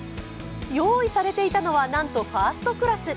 用意されていたのは、なんとファーストクラス。